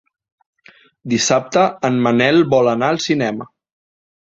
Dissabte en Manel vol anar al cinema.